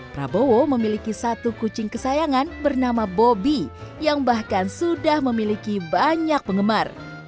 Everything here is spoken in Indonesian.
prabowo memiliki satu kucing kesayangan bernama bobby yang bahkan sudah memiliki banyak penggemar